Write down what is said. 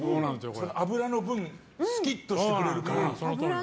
脂の分、すきっとしてくれるから。